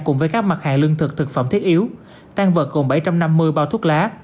cùng với các mặt hàng lương thực thực phẩm thiết yếu tăng vật gồm bảy trăm năm mươi bao thuốc lá